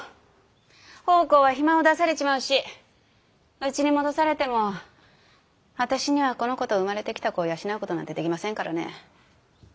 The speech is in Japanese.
奉公は暇を出されちまうしうちに戻されても私にはこの子と生まれてきた子を養う事なんてできませんからね。